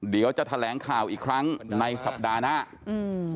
เดี๋ยวจะแถลงข่าวอีกครั้งในสัปดาห์หน้าอืม